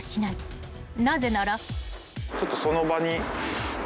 ［なぜなら］